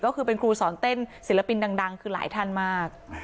ก็คือเป็นครูสอนเต้นศิลปินดังคือหลายท่านมาก